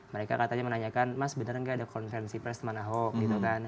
mereka katanya menanyakan mas sebenarnya tidak ada konvensi press teman aho gitu kan